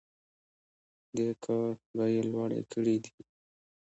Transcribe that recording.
دې کار بیې لوړې کړي دي.